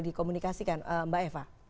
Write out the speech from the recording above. dikomunikasikan mbak eva